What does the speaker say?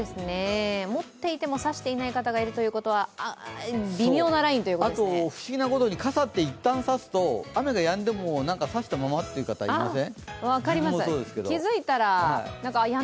持っていても、差していない方がいるということは不思議なことに傘っていったん差すと差したままという方、いません？